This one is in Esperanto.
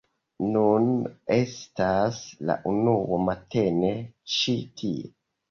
Nun estas la unua matene ĉi tie